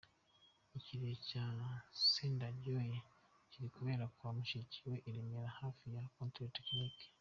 Ikiriyo cya Sendanyoye kiri kubera kwa mushiki we i Remera hafi ya Control technique.